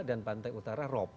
dan pantai utara rop